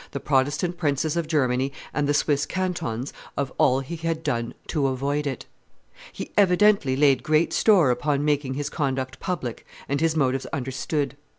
the Protestant princes of Germany, and the Swiss cantons, of all he had done to avoid it; he evidently laid great store upon making his conduct public and his motives understood.